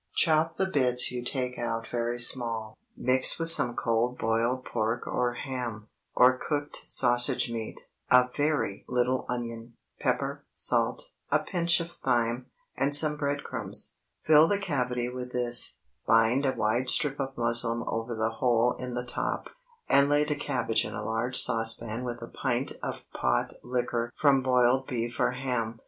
Chop the bits you take out very small; mix with some cold boiled pork or ham, or cooked sausage meat, a very little onion, pepper, salt, a pinch of thyme, and some bread crumbs. Fill the cavity with this, bind a wide strip of muslin over the hole in the top, and lay the cabbage in a large saucepan with a pint of "pot liquor" from boiled beef or ham.